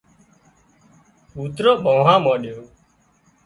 ڪوترو ڀانهوا مانڏيو